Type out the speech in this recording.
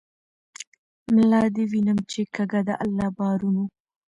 ملا دي وینم چی کږه ده له بارونو